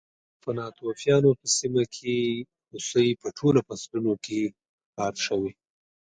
په ناتوفیانو په سیمه کې هوسۍ په ټولو فصلونو کې ښکار شوې